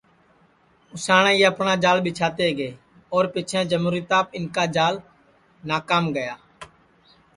اُساٹؔے یہ اپٹؔا جال ٻیچھاتے گے اور پیچھیں جموُریتاپ اِن کا جال ناکام گیا